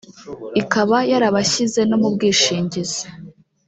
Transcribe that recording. ikaba yarabashyize no mu bwishingizi